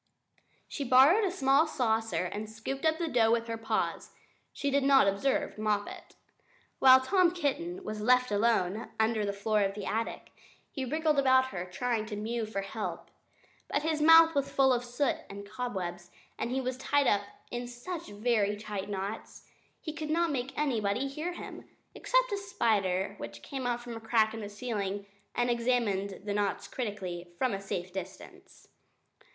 She borrowed a small saucer and scooped up the dough with her paws. She did not observe Moppet. While Tom Kitten was left alone under the floor of the attic, he wriggled about and tried to mew for help. But his mouth was full of soot and cobwebs, and he was tied up in such very tight knots, he could not make anybody hear him. Except a spider who came out of a crack in the ceiling and examined the knots critically, from a safe distance.